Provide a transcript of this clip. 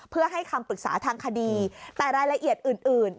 เพื่อให้คำปรึกษาทางคดีแต่รายละเอียดอื่น